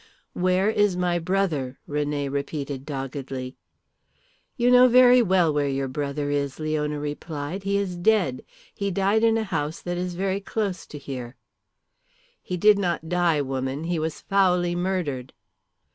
"Where is my brother?" René repeated doggedly. "You know very well where your brother is," Leona replied. "He is dead. He died in a house that is very close to here." "He did not die, woman. He was foully murdered."